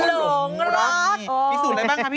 มีสูตรอะไรบ้างครับพี่เม